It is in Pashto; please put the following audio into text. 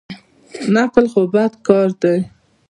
نقل خو بد کار دئ.